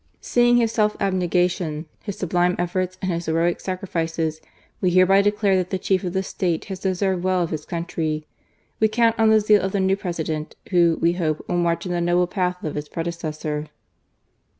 SeeiJig^ his self abnegation, his sublime effbrts, aiid his heroic sacrifices, we hereby declare that the chief of the State has deserved well of his country. We count on the zeal of the new President, who, we hope, will march in the noble path of his pre decessor."